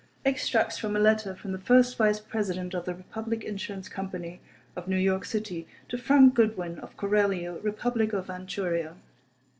_Extracts from a letter from the first vice president of the Republic Insurance Company, of New York City, to Frank Goodwin, of Coralio, Republic of Anchuria.